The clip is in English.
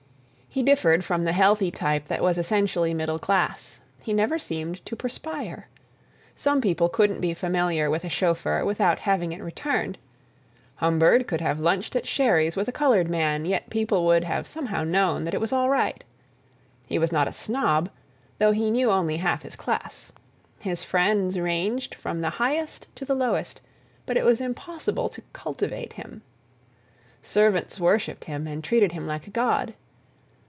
... He differed from the healthy type that was essentially middle class—he never seemed to perspire. Some people couldn't be familiar with a chauffeur without having it returned; Humbird could have lunched at Sherry's with a colored man, yet people would have somehow known that it was all right. He was not a snob, though he knew only half his class. His friends ranged from the highest to the lowest, but it was impossible to "cultivate" him. Servants worshipped him, and treated him like a god.